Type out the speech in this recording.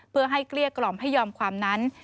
เพื่อให้เกลี้ยกล่อมให้ยอมความนั้น